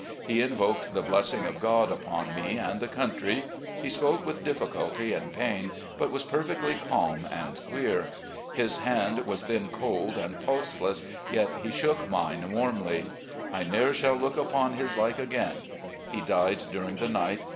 He invoked the blessing of God upon me and the country. He spoke with difficulty and pain, but was perfectly calm and clear. His hand was then cold and pulseless, yet he shook mine warmly. ' I ne'er shall look upon his like again.' He died during the night.